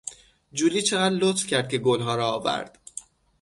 جولی چقدر لطف کرد که گلها را آورد.